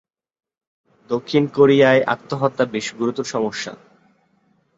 দক্ষিণ কোরিয়ায় আত্মহত্যা বেশ গুরুতর সমস্যা।